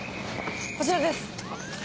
こちらです！